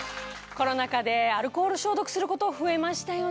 コロナ禍でアルコール消毒すること増えましたよね。